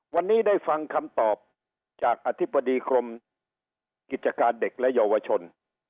วันนี้ได้ฟังคำตอบจากอธิบดีกรมกิจการเด็กและเยาวชน